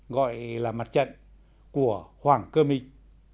gọi là mặt trận của hoàng cơ minh